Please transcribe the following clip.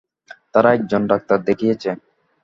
তারা এক জন ডাক্তার দেখিয়েছে।